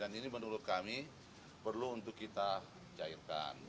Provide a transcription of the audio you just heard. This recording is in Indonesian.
dan ini menurut kami perlu untuk kita cairkan